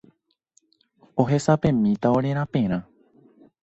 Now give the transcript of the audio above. Ohesapemíta ore raperã